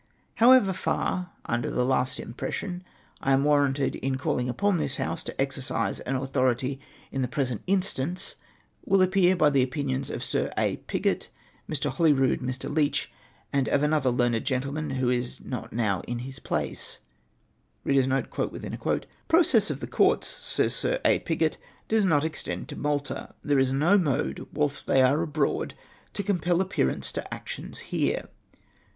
" How far, under the last impression, I am warranted in calling upon this House to exercise an authority in the pre sent instance, will appear by the opinions of Sir A. Piggott, ]Mr. Holroyd, Mr. Leach, and of another learned gentleman who is not now in his place. ' Process of the Courts,' says Sir A. Piggott, ' does not extend to jMalta : there is no mode whilst they are abroad to compel appearance to actions here.'